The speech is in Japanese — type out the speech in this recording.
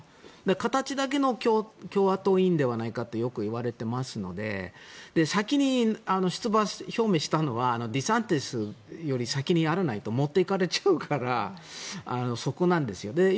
形だけの共和党員ではないかとよくいわれていますので先に出馬表明したのはデサンティスより先にやらないと持っていかれちゃうからそこなんですよ。